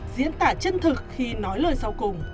diễn tả chân thực khi nói lời sau cùng